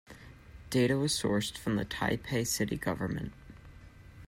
Data was sourced from the Taipei City Government.